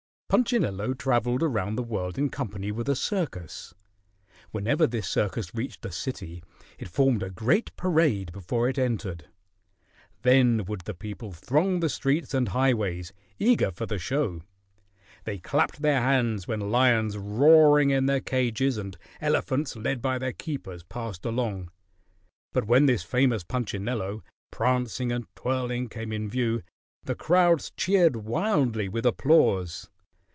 Punchinello traveled around the world in company with a circus. Whenever this circus reached a city, it formed a great parade before it entered. Then would the people throng the streets and highways, eager for the show. They clapped their hands when lions roaring in their cages and elephants led by their keepers passed along; but when this famous Punchinello, prancing and twirling, came in view, the crowds cheered wildly with applause.